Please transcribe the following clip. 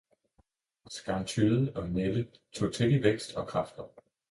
skarntyde og nælde tog til i vækst og kræfter.